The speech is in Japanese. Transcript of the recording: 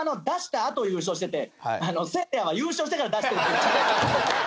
あと優勝しててせいやは優勝してから出してるっていう違いが。